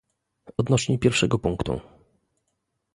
Odnośnie pierwszego punktu